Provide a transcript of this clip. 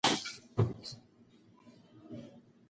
هر انسان یو استعداد لري.